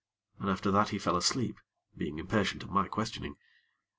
And after that he fell asleep, being impatient at my questioning.